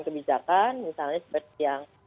kebijakan misalnya seperti yang